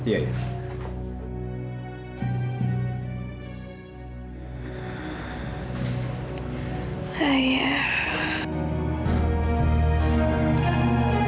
ya kalau begitu kita berangkat sekarang ya